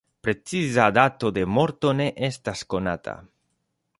Preciza dato de morto ne estas konata.